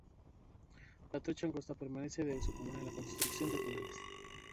La trocha angosta permanece de uso común en la construcción de túneles.